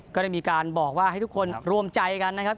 ก็ได้มีการบอกว่าให้ทุกคนรวมใจกันนะครับ